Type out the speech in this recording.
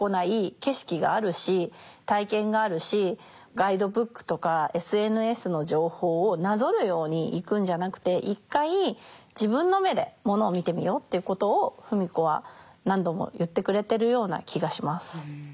ガイドブックとかＳＮＳの情報をなぞるように行くんじゃなくて一回自分の目でものを見てみようっていうことを芙美子は何度も言ってくれてるような気がします。